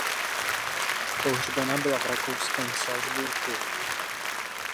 Pohřbena byla v rakouském Salzburgu.